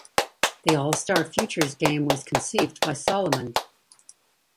The All-Star Futures Game was conceived by Solomon.